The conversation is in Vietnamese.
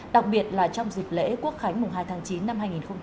đặc biệt là trong dịp lễ quốc khánh hai tháng chín năm hai nghìn hai mươi ba